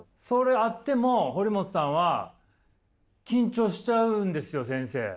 それあっても堀本さんは緊張しちゃうんですよ先生。